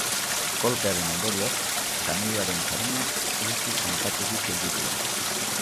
Kolpearen ondorioz, kamioaren kabina guztiz zanpaturik gelditu da.